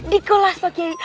di kelas pak kiai